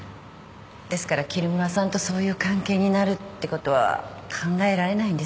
ですから桐村さんとそういう関係になるってことは考えられないんですけど。